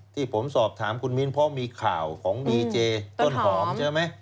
ที่ผมสอบถามคุณมิ้นเพราะมีข่าวของดีเจต้นหอมใช่ไหม